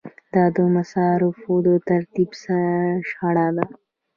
دا د مصارفو د ترتیب شرحه ده.